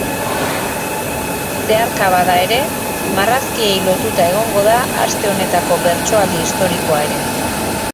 Zeharka bada ere marrazkiei lotuta egongo da aste honetako bertsoaldi historikoa ere.